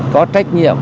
có trách nhiệm